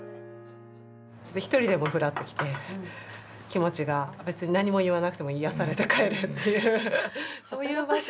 ちょっと１人でもフラッと来て気持ちが別に何も言わなくても癒やされて帰るっていうそういう場所。